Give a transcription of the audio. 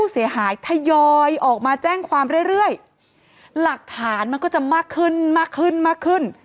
สักฐานมันก็จะมากขึ้นมากขึ้นมากขึ้น